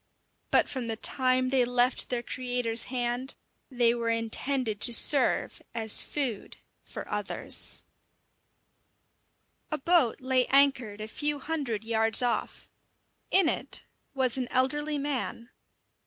But from the time they left their Creator's hand they were intended to serve as food for others. A boat lay anchored a few hundred yards off. In it was an elderly man.